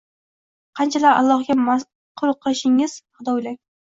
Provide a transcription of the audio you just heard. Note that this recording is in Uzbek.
qanchalar Allohga ma’qul ish qilishingiz haqida o‘ylang.